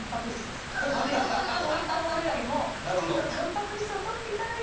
なのでそういったものよりもきちんとたんぱく質をとっていただいて。